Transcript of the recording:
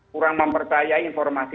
kurang mempercayai informasi